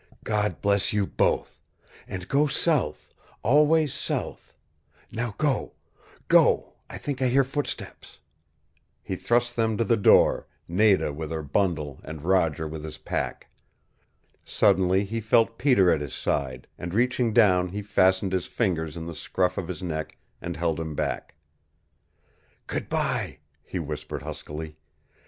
"God bless you both! And go south always south. Now go go! I think I hear footsteps " He thrust them to the door, Nada with her bundle and Roger with his pack. Suddenly he felt Peter at his side, and reaching down he fastened his fingers in the scruff of his neck, and held him back. "Good bye," he whispered huskily.